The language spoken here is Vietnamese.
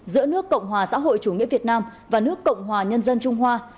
giữa nước cộng hòa xã hội chủ nghĩa việt nam và nước cộng hòa nhân dân trung hoa